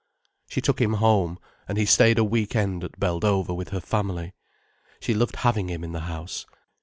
She took him home, and he stayed a week end at Beldover with her family. She loved having him in the house.